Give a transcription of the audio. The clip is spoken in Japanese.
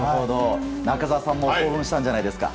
中澤さんも興奮したんじゃないですか？